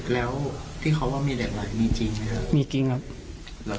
แล้วที่เขาว่ามีเหล็กไหลมีจริงไหมครับ